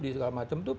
di segala macam tuh